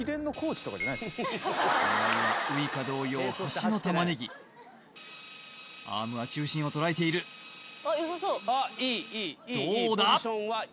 狙いはウイカ同様端のタマネギアームは中心を捉えているどうだ！